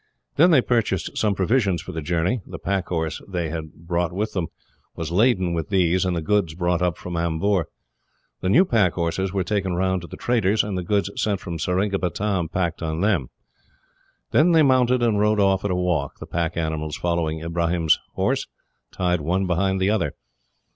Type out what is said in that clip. Then they purchased some provisions for the journey. The pack horse they had brought with them was laden with these, and the goods brought up from Amboor. The new pack horses were taken round to the trader's, and the goods sent from Seringapatam packed on them. Then they mounted and rode off at a walk, the pack animals following Ibrahim's horse, tied one behind the other.